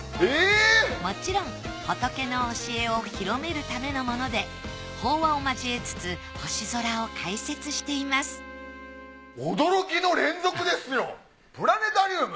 もちろん仏の教えを広めるためのもので法話を交えつつ星空を解説していますプラネタリウム？